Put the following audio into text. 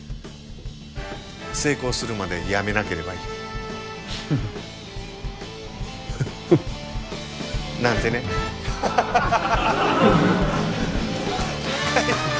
成功するまでやめなければいいなんてねハハハ